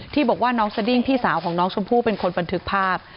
บอกว่าน้องสดิ้งพี่สาวของน้องชมพู่เป็นคนบันทึกภาพ